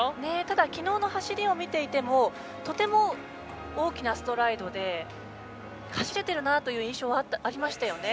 昨日の走りを見ていてもとても大きなストライドで走れている印象はありましたね。